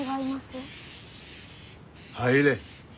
入れ。